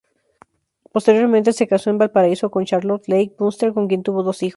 Posteriormente, se casó en Valparaíso con Charlotte Leigh Bunster, con quien tuvo dos hijos.